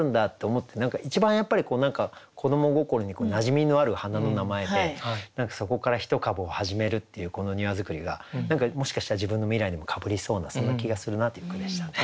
一番やっぱり何か子ども心になじみのある花の名前で何かそこから一株を始めるっていうこの「庭造り」が何かもしかしたら自分の未来にもかぶりそうなそんな気がするなっていう句でしたね。